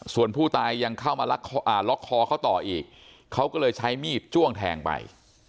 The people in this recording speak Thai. ส่วนผู้ตายยังเข้ามาล็อกคอเขาต่ออีกเขาก็เลยใช้มีดจ้วงแทงไป